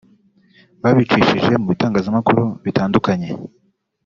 babicishije mu bitangazamakuru bitandukanye